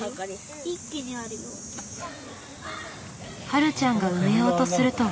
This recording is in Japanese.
はるちゃんが埋めようとすると。